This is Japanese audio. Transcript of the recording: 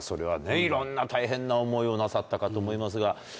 いろんな大変な思いをなさったかと思いますが。